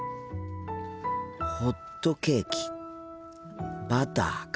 ホットケーキバターか。